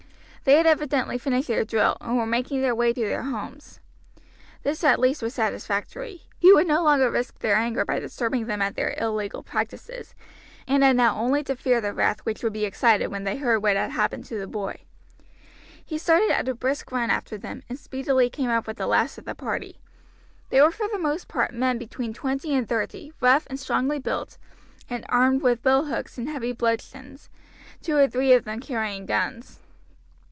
They had evidently finished their drill, and were making their way to their homes. This at least was satisfactory. He would no longer risk their anger by disturbing them at their illegal practices, and had now only to fear the wrath which would be excited when they heard what had happened to the boy. He started at a brisk run after them, and speedily came up to the last of the party. They were for the most part men between twenty and thirty, rough and strongly built, and armed with billhooks and heavy bludgeons, two or three of them carrying guns.